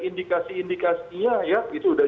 indikasi indikasinya ya itu udah